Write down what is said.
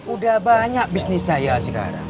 udah banyak bisnis saya sekarang